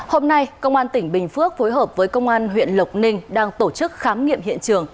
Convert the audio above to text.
hôm nay công an tỉnh bình phước phối hợp với công an huyện lộc ninh đang tổ chức khám nghiệm hiện trường